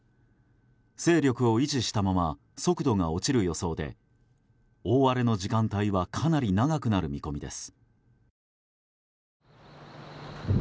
勢力を維持したまま速度が落ちる予想で大荒れの時間帯はかなり長くなる見込みです。